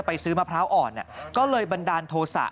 ซื้อมะพร้าวอ่อนก็เลยบันดาลโทษะ